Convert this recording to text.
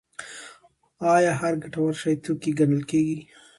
آیا هر ګټور شی توکی ګڼل کیږي؟